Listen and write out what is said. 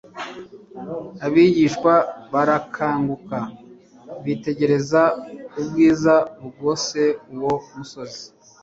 Abigishwa barakanguka, bitegereza ubwiza bugose uwo musozi.